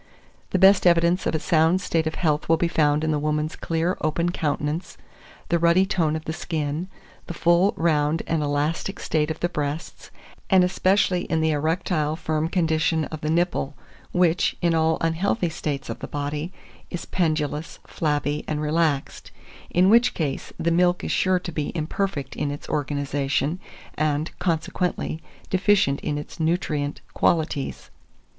The best evidence of a sound state of health will be found in the woman's clear open countenance, the ruddy tone of the skin, the full, round, and elastic state of the breasts, and especially in the erectile, firm condition of the nipple, which, in all unhealthy states of the body, is pendulous, flabby, and relaxed; in which case, the milk is sure to be imperfect in its organization, and, consequently, deficient in its nutrient qualities.